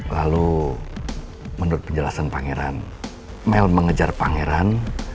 lalu menurut penjelasan pangeran mel mengejar pangeran